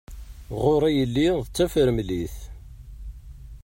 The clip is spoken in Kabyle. Ɣur-i yelli d tafremlit.